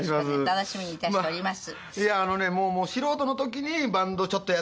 楽しみにいたしております。